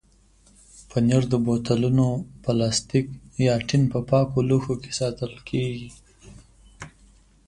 پنېر د بوتلونو، پلاستیک یا ټین په پاکو لوښو کې ساتل کېږي.